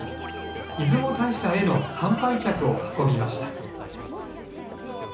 出雲大社への参拝客を運びました。